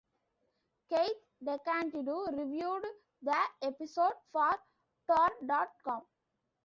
Keith DeCandido reviewed the episode for Tor dot com.